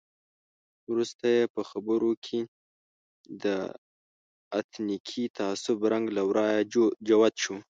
وروسته یې په خبرو کې د اتنیکي تعصب رنګ له ورایه جوت شو.